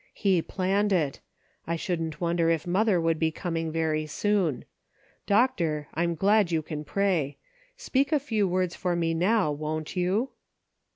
He planned it ; I shouldn't wonder if mother would be coming very soon. Doctor, I'm glad you can pray ; speak a few words for me now, won't you